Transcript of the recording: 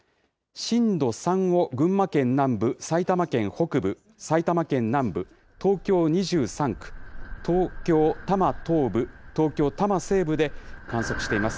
震度３を群馬県南部、埼玉県北部、埼玉県南部、東京２３区、東京多摩東部東京多摩西部で観測しています。